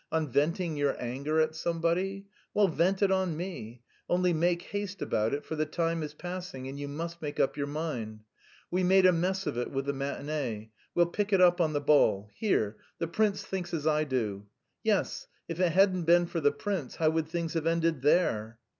On venting your anger on somebody? Well, vent it on me; only make haste about it, for the time is passing and you must make up your mind. We made a mess of it with the matinée; we'll pick up on the ball. Here, the prince thinks as I do. Yes, if it hadn't been for the prince, how would things have ended there?"